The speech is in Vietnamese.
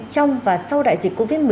trong và sau đại dịch covid một mươi chín